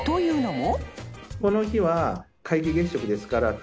も